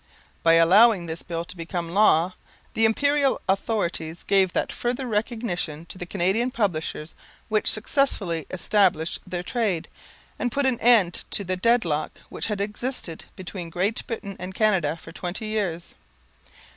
By allowing this Bill to become law, the Imperial authorities gave that further recognition to the Canadian publishers which successfully established their trade, and put an end to the deadlock which had existed between Great Britain and Canada for twenty years.